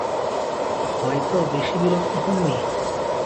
হয়ত বেশি বিরক্ত হননি।